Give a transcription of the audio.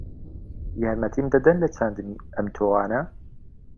یارمەتیم دەدەن لە چاندنی ئەم تۆوانە؟